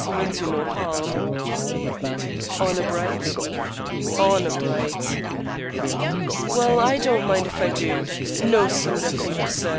He means you no harm." "Honor bright?" "Honor bright." "Well, I don't mind if I do. No soda, thank you, sir.